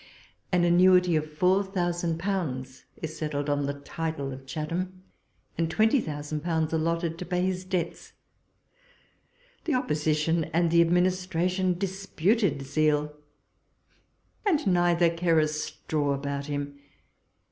An annuity of four thousand pounds is settled on the title of Chatham, and twenty thousand pounds allotted to pay his debts. The Opposition and the Administration disputed zeal ; and neither care a straw about him.